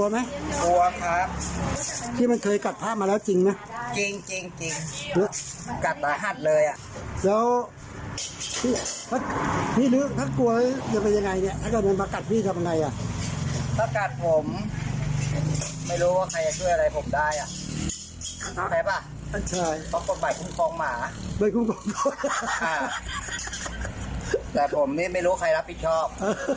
ไม่คุ้มครองหมาแต่ผมไม่รู้ใครรับผิดชอบ